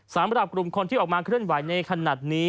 สำหรับกลุ่มคนที่ออกมาเคลื่อนไหวในขณะนี้